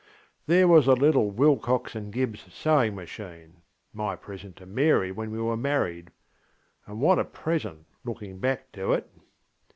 There was the little Wilcox & GibbŌĆÖs sewing machineŌĆömy present to Mary when we were married (and what a present, looking back to it!).